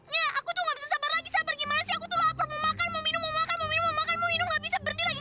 ya aku tuh gak bisa sabar lagi sabar gimana sih aku tuh lapar mau makan mau minum mau makan mau minum makanmu minum nggak bisa berhenti lagi